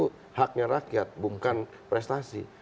itu haknya rakyat bukan prestasi